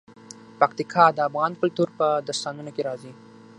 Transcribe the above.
پکتیکا د افغان کلتور په داستانونو کې راځي.